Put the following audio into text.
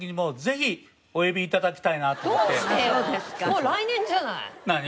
もう来年じゃない。